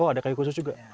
oh ada kayu khusus juga